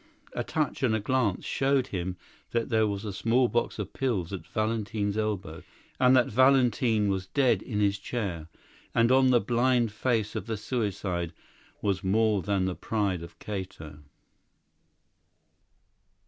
A touch and a glance showed him that there was a small box of pills at Valentin's elbow, and that Valentin was dead in his chair; and on the blind face of the suicide was more than the pride of Cato.